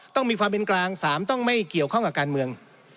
ต้องมีความเป็นกลาง๓ต้องไม่เกี่ยวข้องกับการเมือง